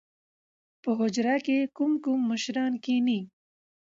په حجره کښې کوم کوم مشران کښېني؟